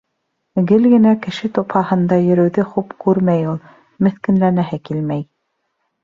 Гел генә кеше тупһаһында йөрөүҙе хуп күрмәй ул. Меҫкенләнәһе килмәй.